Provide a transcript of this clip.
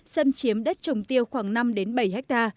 xâm chiếm đất trồng tiêu khoảng năm bảy ha